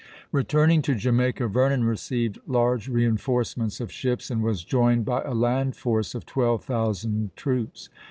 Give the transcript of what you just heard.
Returning to Jamaica, Vernon received large reinforcements of ships, and was joined by a land force of twelve thousand troops.